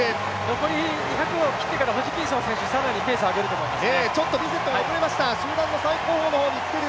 残り２００を切ってからホジキンソン選手ペースを上げると思います。